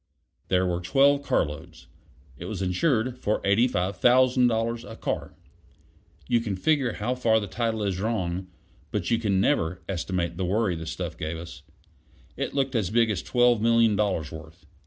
There were twelve carloads; it was insured for $85,000 a car; you can figure how far the title is wrong, but you never can estimate the worry the stuff gave us. It looked as big as twelve million dollars' worth.